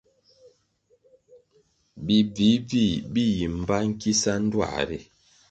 Bi bvih-bvih bi yi mbpa nkisa ndtuā ri.